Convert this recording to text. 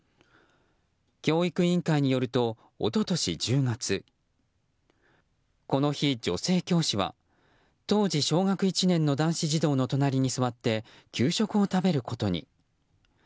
教育委員会によると一昨年１０月この日、女性教師は当時、小学１年の男子児童の隣に座って給食を食べることに。